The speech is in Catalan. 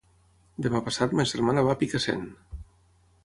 Demà passat ma germana va a Picassent.